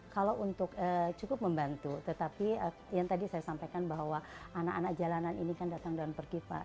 kalau untuk cukup membantu tetapi yang tadi saya sampaikan bahwa anak anak jalanan ini kan datang dan pergi pak